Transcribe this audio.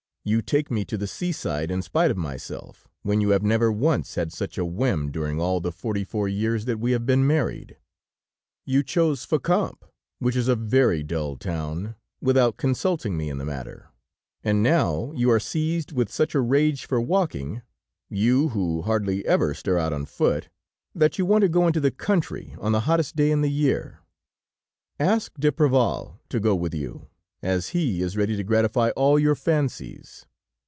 You take me to the sea side in spite of myself, when you have never once had such a whim during all the forty four years that we have been married. You chose Fécamp, which is a very dull town, without consulting me in the matter, and now you are seized with such a rage for walking, you who hardly ever stir out on foot, that you want to go into the country on the hottest day in the year. Ask d'Apreval to go with you, as he is ready to gratify all your fancies.